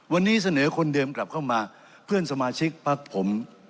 วันนี้เสนอคนเดิมกลับเข้ามาเพื่อนสมาชิกพักผม